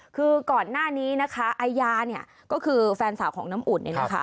คือก่อนหน้านี้อายาก็คือแฟนสาวของน้ำอุ่น